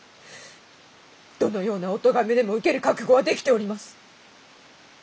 どのようなおとがめでも受ける覚悟はできております。